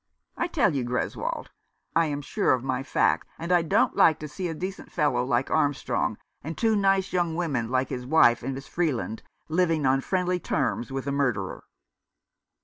I tell you, Greswold, I am sure of my facts, and I don't like to see a decent fellow like Armstrong, and two nice young women like his wife and 333 Rough Justice. Miss Freeland, living on friendly terms with a murderer."